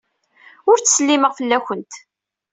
Ur d-ttsellimeɣ fell-awent.